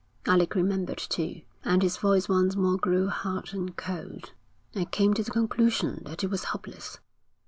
Alec remembered too, and his voice once more grew hard and cold. 'I came to the conclusion that it was hopeless.